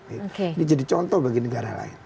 ini jadi contoh bagi negara lain